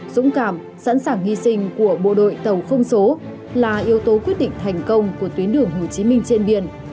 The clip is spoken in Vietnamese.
dũng cảm sẵn sàng hy sinh của bộ đội tàu không số là yếu tố quyết định thành công của tuyến đường hồ chí minh trên biển